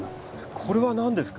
これは何ですか？